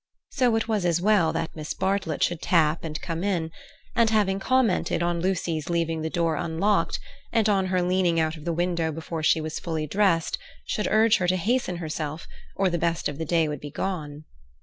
So it was as well that Miss Bartlett should tap and come in, and having commented on Lucy's leaving the door unlocked, and on her leaning out of the window before she was fully dressed, should urge her to hasten herself, or the best of the day would be gone.